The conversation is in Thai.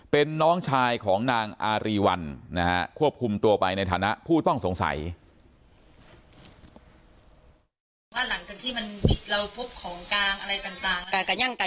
เป็นน้องชายของนางอารีวัลนะฮะควบคุมตัวไปในฐานะผู้ต้องสงสัย